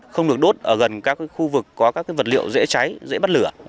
không được đốt ở gần các khu vực có các vật liệu dễ cháy dễ bắt lửa